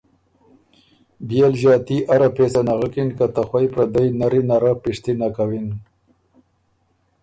بيې ل ݫاتی اره پېڅه نغکِن که ته خوئ پردئ نری نره پِشتِنه کوِن